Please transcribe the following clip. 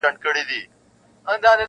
که لوڅ مخي سولې حوري د کابل او بدخشان -